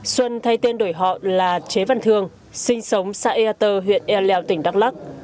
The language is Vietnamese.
xuân thay tên đổi họ là chế văn thương sinh sống xa eater huyện e lèo tỉnh đắk lắc